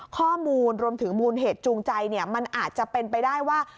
ข้อมูลรวมถึงมูลเหตุจูงใจมันอาจจะเป็นไปได้ว่า